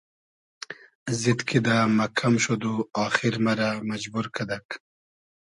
زید کیدۂ مئکئم شود و آخیر مئرۂ مئجبور کئدئگ